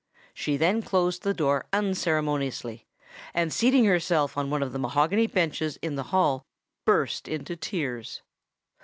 She then closed the door unceremoniously, and, seating herself on one of the mahogany benches in the hall, burst into tears.